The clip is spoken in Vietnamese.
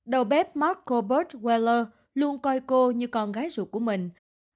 đầu bếp mark cobart weller luôn coi cô như con gái ruột của mình